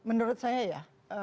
menurut saya ya